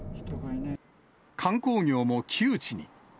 観光業も窮地に。